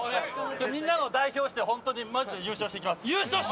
みんなを代表して本当にマジで優勝してきます。